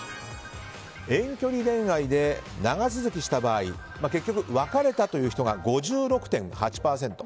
遠距離恋愛で長続きした場合結局別れたという人が５６．８％。